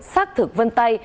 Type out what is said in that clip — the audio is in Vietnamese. xác thực vân tay